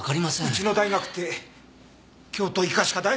うちの大学って京都医科歯科大？